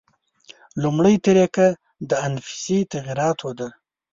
لومړۍ طریقه د انفسي تغییراتو ده.